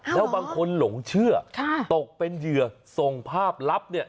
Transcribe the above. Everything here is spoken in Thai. แล้วบางคนหลงเชื่อตกเป็นเหยื่อส่งภาพลับเนี่ย